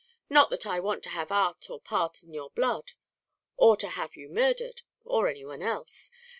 Not that I want to have art or part in your blood, or to have you murdhered or any one else.